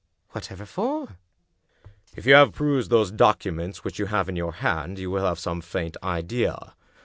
"Whatever for?" " If you have perused those documents which you have in your hand, you will have some faint idea.